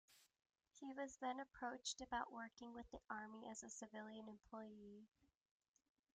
He was then approached about working with the Army as a civilian employee.